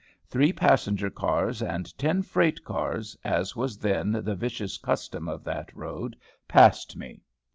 Three passenger cars, and ten freight cars, as was then the vicious custom of that road, passed me.